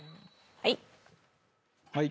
はい。